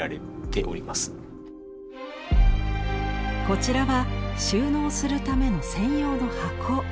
こちらは収納するための専用の箱。